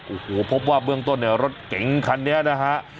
โอ้โหพบว่าเบื้องต้นเนี่ยรถเก๋งคันนี้นะฮะ